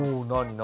何？